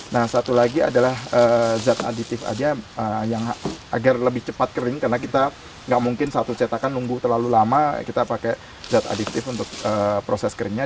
nah satu lagi adalah zat aditif aja yang agar lebih cepat kering karena kita nggak mungkin satu cetakan nunggu terlalu lama kita pakai zat aditif untuk proses keringnya